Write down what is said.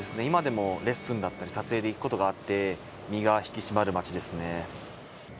今でもレッスンだったり撮影で行くことがあって身が引き締まる街ですね。